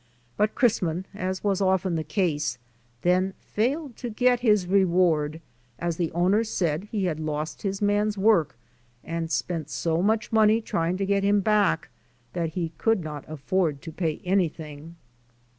But Chrisman, as was often the case, then failed to get his reward, as the owner said he had lost his man's work, and spent so much money trying to get him back that he could not afford to pay any thing.